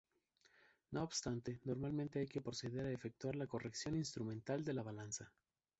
No obstante, normalmente hay que proceder a efectuar la corrección instrumental de la balanza.